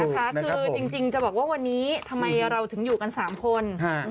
คือจริงจะบอกว่าวันนี้ทำไมเราถึงอยู่กัน๓คน